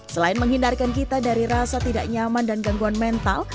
selain menghindarkan kita dari rasa tidak nyaman dan gangguan mental